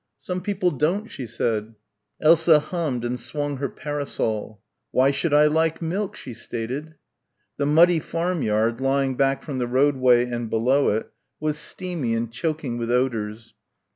"Some people don't," she said. Elsa hummed and swung her parasol. "Why should I like milk?" she stated. The muddy farmyard, lying back from the roadway and below it, was steamy and choking with odours.